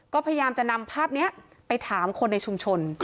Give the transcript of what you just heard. ก็พยายามจะนำภาพนี้ไปถามคนในชุมชน